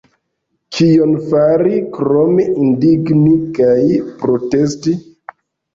Kion fari krom indigni kaj protesti?